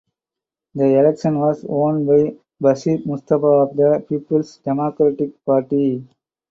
The election was won by Bashir Mustapha of the Peoples Democratic Party.